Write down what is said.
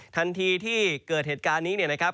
ทันทีที่เกิดเหตุการณ์นี้เนี่ยนะครับ